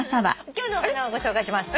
今日のお花をご紹介します。